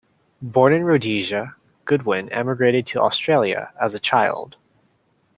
Born in Rhodesia, Goodwin emigrated to Australia as a child.